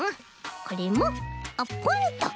これもあっポンと。